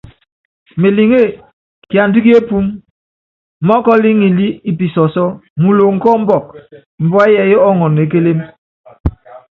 Meliŋé, kiandá ki epúúmí, mɔ́kɔl ŋilí i pisɔsɔ́ muloŋ kɔ ɔmbɔk, mbua yɛɛyɛ́ ɔɔŋɔn e kélém.